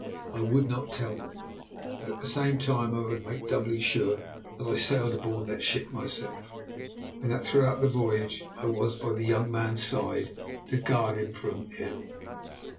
I would not tell them; but at the same time I would make doubly sure that I sailed aboard that ship myself, and that throughout the voyage I was by the young man's side to guard him from ill.